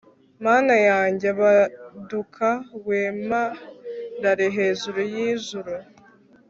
mana yanjye, baduka wemarare hejuru y'ijuru